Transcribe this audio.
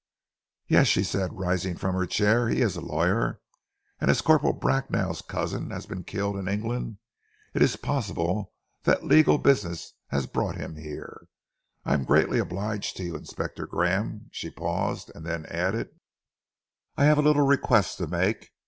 "Yes," she said, rising from her chair, "he is a lawyer, and as Corporal Bracknell's cousin has been killed in England, it is possible that legal business had brought him here. I am greatly obliged to you, Inspector Graham." She paused, and then added, "I have a little request to make.